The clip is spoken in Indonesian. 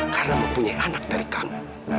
karena mempunyai anak dari kamu